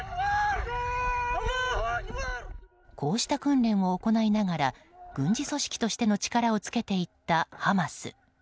こうした訓練を行いながら軍事組織としての力をつけていったハマス。